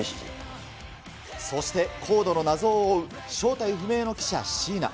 そして、ＣＯＤＥの謎を追う正体不明の記者、椎名。